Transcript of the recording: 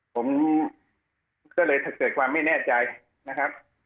ผมก็เลยเกิดความไม่แน่ใจนะครับ